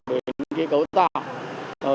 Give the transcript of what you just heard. để những cái cấu tạo